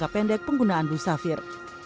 pendek penggunaan blue saphir